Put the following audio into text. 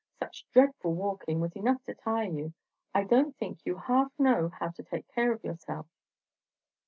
Such dreadful walking was enough to tire you. I don't think you half know how to take care of yourself."